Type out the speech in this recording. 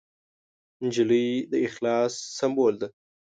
نجلۍ د اخلاص سمبول ده.